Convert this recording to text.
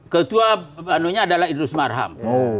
ketua adalah idris marham